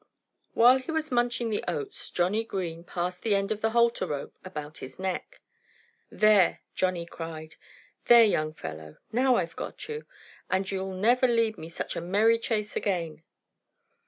While he was munching the oats Johnnie Green passed the end of the halter rope about his neck. "There!" Johnnie cried. "There, young fellow! Now I've got you. And you'll never lead me such a merry chase again."